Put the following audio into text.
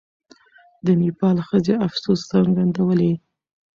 د نېپال ښځې افسوس څرګندولی.